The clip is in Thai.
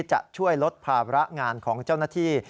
จะช่วยลดภาระงานของเจ้าหน้าที่